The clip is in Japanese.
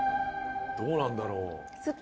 どうなんだろう。